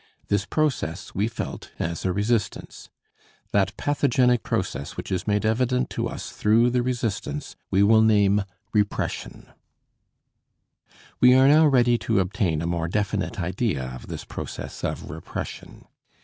This process we felt as a resistance. That pathogenic process which is made evident to us through the resistance, we will name repression. We are now ready to obtain a more definite idea of this process of repression.